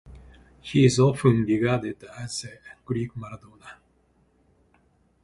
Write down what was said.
He is often regarded as the Greek Maradona.